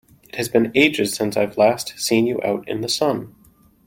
It has been ages since I've last seen you out in the sun!